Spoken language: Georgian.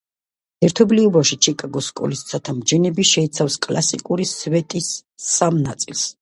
ერთობლიობაში, ჩიკაგოს სკოლის ცათამბჯენები შეიცავს კლასიკური სვეტის სამ ნაწილს.